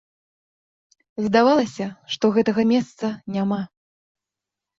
Здавалася, што гэтага месца няма.